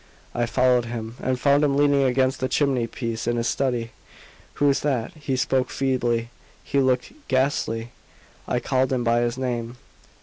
I followed him, and found him leaning against the chimney piece in his study. "Who's that?" He spoke feebly; he looked ghastly! I called him by his name.